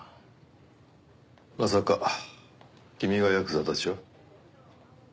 まさか君がヤクザたちを？